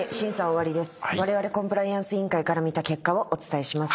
われわれコンプライアンス委員会から見た結果をお伝えします。